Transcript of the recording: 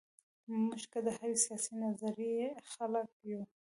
موږ که د هرې سیاسي نظریې خلک یو.